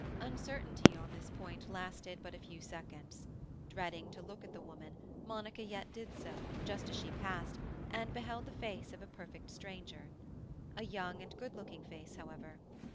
Uncertainty on this point lasted but a few seconds. Dreading to look at the woman, Monica yet did so, just as she passed, and beheld the face of a perfect stranger. A young and good looking face, however.